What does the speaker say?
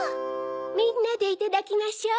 みんなでいただきましょう。